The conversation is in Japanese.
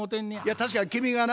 確かに君がな